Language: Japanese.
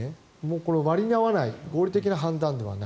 これ、割に合わない合理的な判断ではない。